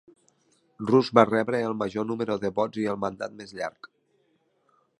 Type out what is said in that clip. Rusk va rebre el major número de vots i el mandat més llarg.